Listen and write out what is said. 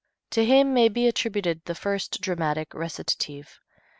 To him may be attributed the first dramatic recitative.